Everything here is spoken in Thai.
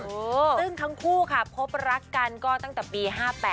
ซึ่งทั้งคู่ค่ะพบรักกันก็ตั้งแต่ปี๕๘